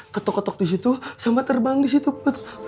ketuk ketuk di situ sama terbang di situ put